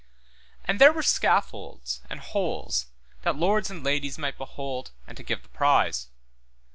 And there were scaffolds and holes that lords and ladies might behold and to give the prize.